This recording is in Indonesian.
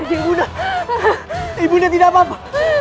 ibu anda ibu anda tidak apa apa